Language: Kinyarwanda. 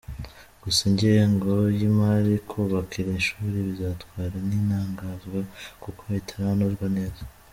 Gusa ingengo y’imari kubaka iri shuri bizatwara ntitangazwa kuko itaranozwa neza.